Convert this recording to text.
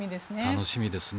楽しみですね。